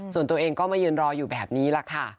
ส่วนตัวเองก็มายืนรออยู่แบบนี้แหละค่ะ